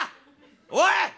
おい！